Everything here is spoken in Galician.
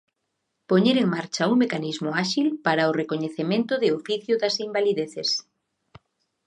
Poñer en marcha un mecanismo áxil para o recoñecemento de oficio das invalideces.